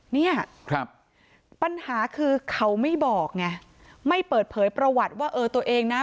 เนี่ยครับปัญหาคือเขาไม่บอกไงไม่เปิดเผยประวัติว่าเออตัวเองนะ